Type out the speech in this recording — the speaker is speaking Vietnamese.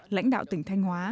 lãnh đạo tỉnh thanh hóa